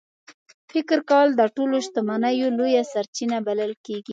فکر کول د ټولو شتمنیو لویه سرچینه بلل کېږي.